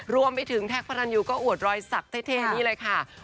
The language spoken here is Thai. รวมไปถึงแท็กพระรันยูก็อวดรอยสักเท่นี่เลยค่ะ